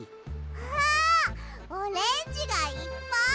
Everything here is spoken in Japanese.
わオレンジがいっぱい！